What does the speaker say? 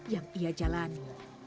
yang ia jalani